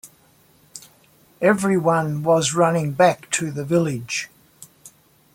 Everyone was running back to the village.